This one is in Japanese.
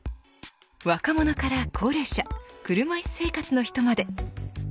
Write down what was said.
若者から高齢者車いす生活の人まで。